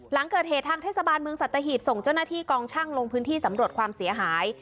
หลังเกิดเหตุทางเทศบาลเมืองสัตหีบส่งเจ้าหน้าที่กองช่างลงพื้นที่สำรวจความเสียหาย